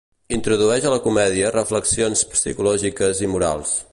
Introdueix a la comèdia reflexions psicològiques i morals.